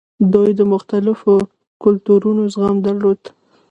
دوی د مختلفو کلتورونو زغم درلود